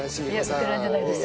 いやベテランじゃないです。